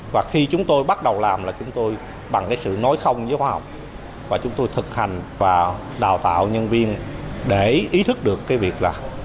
và khi chúng tôi bắt đầu làm là chúng tôi bằng cái sự nói không với khoa học và chúng tôi thực hành và đào tạo nhân viên để ý thức được cái việc là